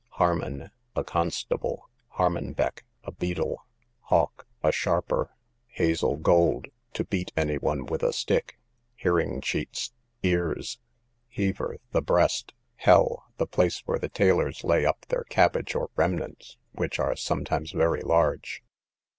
Harman, a constable. Harmanbeck, a beadle. Hawk, a sharper. Hazel gold, to beat any one with a stick. Hearingcheats, ears. Heaver, the breast. Hell, the place where the tailors lay up their cabbage or remnants, which are sometimes very large.